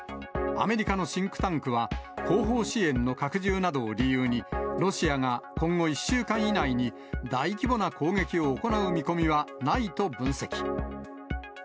アメリカのシンクタンクは、後方支援の拡充などを理由に、ロシアが今後１週間以内に、大規模な攻撃を行う見込みはないと分析。